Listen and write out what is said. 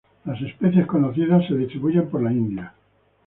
Las especies conocidas se distribuyen por la India.